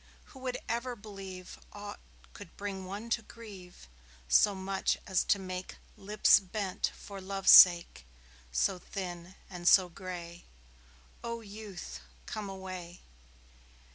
Who would ever believe Aught could bring one to grieve So much as to make Lips bent for love's sake So thin and so grey? O Youth, come away!